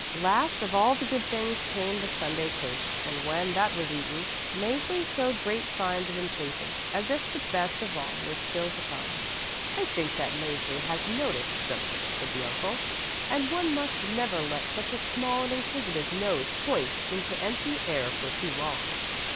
Last of all the good things came the Sunday cake, and when that was eaten, Mäzli showed great signs of impatience, as if the best of all were still to come. "I think that Mäzli has noticed something," said the uncle; "and one must never let such a small and inquisitive nose point into empty air for too long.